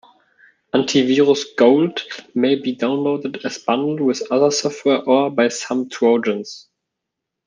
AntiVirus Gold may be downloaded as bundle with other software or by some trojans.